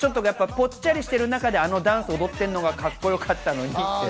ぽっちゃりしている中であのダンスを踊ってるのがカッコよかったのにって。